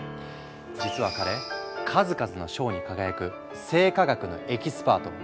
実は彼数々の賞に輝く生化学のエキスパート。